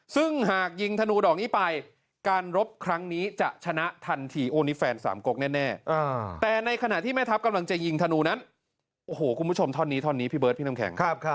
ซึ่งหากยิงธนูดอกนี้ไปการรบครั้งนี้จะชนะทันทีโอนิแฟนสามโก๊คแน่